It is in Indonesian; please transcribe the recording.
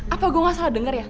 apa gue gak salah dengar ya